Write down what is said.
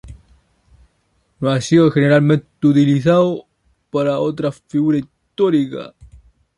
No ha sido generalmente utilizado para otras figuras históricas.